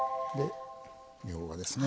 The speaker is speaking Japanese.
みょうがですね。